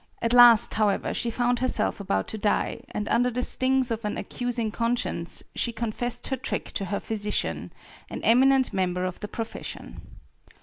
At last however, she found herself about to die, and under the stings of an accusing conscience she confessed her trick to her physician, an eminent member of the profession.